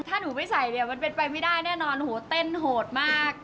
ถ้าหนูไม่ใส่เนี่ยมันเป็นไปไม่ได้แน่นอนโหเต้นโหดมาก